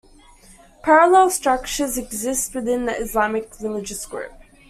Parallel structures exist within the Islamic religious group.